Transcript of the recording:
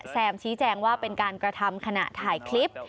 แซมชี้แจงว่าเป็นการกระทำขณะถ่ายคลิป